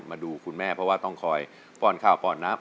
มาดูคุณแม่เพราะว่าต้องคอยป้อนข้าวป้อนน้ำ